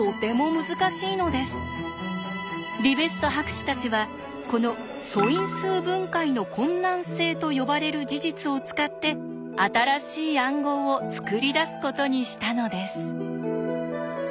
リベスト博士たちはこの「素因数分解の困難性」と呼ばれる事実を使って新しい暗号を作り出すことにしたのです。